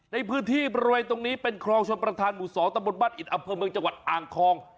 ในพื้นที่บริเวณตรงนี้เป็นคลองชนประธานหมู่๒ตะบนบ้านอิดอำเภอเมืองจังหวัดอ่างทอง